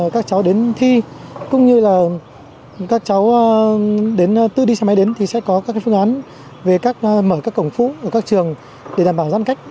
các cháu đến thi cũng như là các cháu đến tư đi xe máy đến thì sẽ có các phương án về mở các cổng phụ ở các trường để đảm bảo giãn cách